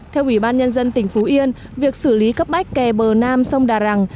theo ủy ban nhân dân tỉnh phú yên việc xử lý cấp bách kè bờ nam sông đà rằng